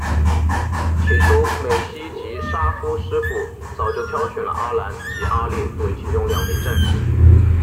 起初美希及沙夫师傅早就挑选了阿兰及阿烈作为其中两名战士。